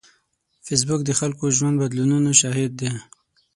فېسبوک د خلکو د ژوند بدلونونو شاهد دی